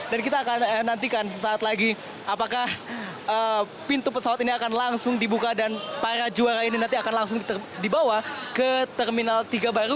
dan kita akan menantikan sesaat lagi apakah pintu pesawat ini akan langsung dibuka dan para juara ini nanti akan langsung dibawa ke terminal tiga baru